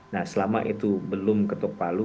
nah selama itu belum ketok palu